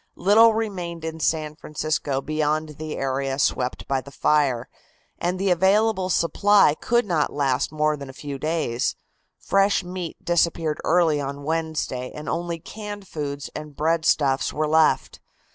Little remained in San Francisco beyond the area swept by the fire, and the available supply could not last more than a few days. Fresh meat disappeared early on Wednesday and only canned foods and breadstuffs were left.